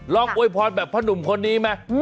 ลองอวยพรแบบพระหนุ่มคนนี้ไหม